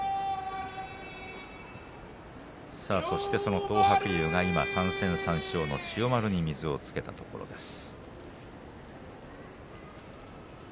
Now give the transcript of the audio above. そしてその東白龍が３戦３勝の千代丸に水をつけたところです。